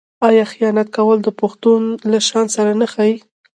آیا خیانت کول د پښتون له شان سره نه ښايي؟